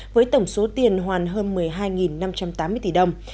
với tổng số tiền hoàn hơn một mươi hai năm trăm tám mươi tỷ đồng